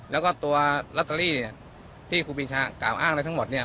แล้วก็ตัวลอตเตอรี่เนี่ยที่ครูปีชากล่าวอ้างอะไรทั้งหมดเนี่ย